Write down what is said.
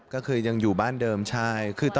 ก็คือยังอยู่บ้านเดิมใช่